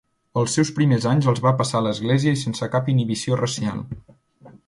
Els seus primers anys els va passar a l'església i sense cap inhibició racial.